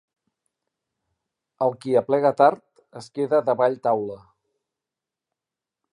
El qui aplega tard, es queda davall taula.